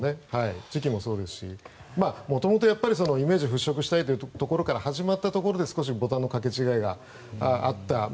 時期もそうですしもともとイメージを払拭したいところから始まったところでボタンの掛け違いがあった。